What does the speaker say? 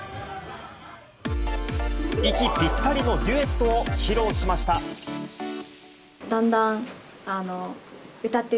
息ぴったりのデュエットを披露しました。